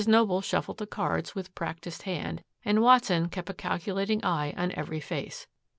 Noble shuffled the cards with practiced hand and Watson kept a calculating eye on every face.